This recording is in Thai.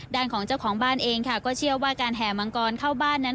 ด้านของเจ้าของบ้านเองค่ะก็เชื่อว่าการแห่มังกรเข้าบ้านนั้น